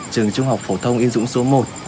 trường trung học phổ thông yên dũng số một